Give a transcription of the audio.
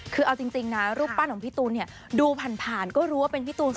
คือเอาจริงนะรูปปั้นของพี่ตูนเนี่ยดูผ่านก็รู้ว่าเป็นพี่ตูน